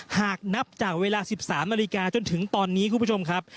หากนับจากเวลา๑๓นาฬิกาจนถึงตอนนี้คุณผู้ชมครับ